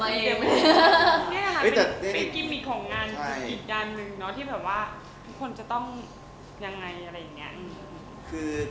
นี่ค่ะเป็นกิมมิกของงานอีกงานหนึ่งเนาะที่แบบว่าทุกคนจะต้องยังไงอะไรอย่างนี้